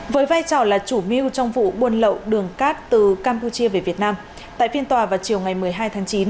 với vai trò là chủ mưu trong vụ buôn lậu đường cát từ campuchia về việt nam tại phiên tòa vào chiều ngày một mươi hai tháng chín